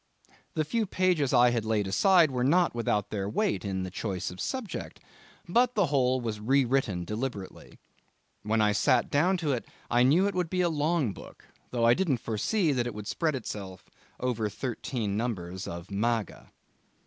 The few pages I had laid aside were not without their weight in the choice of subject. But the whole was re written deliberately. When I sat down to it I knew it would be a long book, though I didn't foresee that it would spread itself over thirteen numbers of Maga.